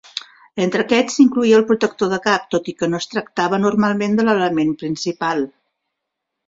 Entre aquests s'incloïa el protector de cap, tot i que no es tractava normalment de l'element principal.